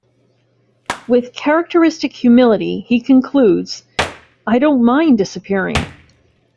With characteristic humility, he concludes, I don't mind disappearing!